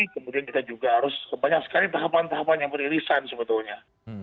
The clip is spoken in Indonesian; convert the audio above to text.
kemudian kita juga harus banyak sekali tahapan tahapan yang beririsan sebetulnya